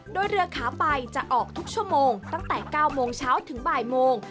โดยเรือขาไปจะออกทุกชั่วโมงตั้งแต่๙โมงเช้าถึงบ่ายโมง